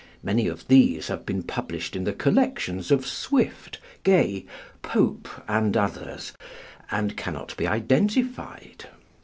Many of these have been published in the collections of Swift, Gay, Pope, and others, and cannot be identified.